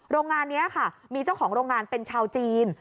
โรงงานนี้ค่ะมีเจ้าของโรงงานเป็นชาวจีน